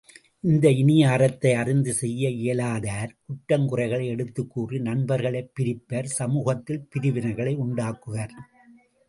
இந்த இனிய அறத்தை அறிந்து செய்ய இயலாதார் குற்றங் குறைகளை எடுத்துக்கூறி நண்பர்களைப் பிரிப்பர் சமூகத்தில் பிரிவினைகளை உண்டாக்குவர்.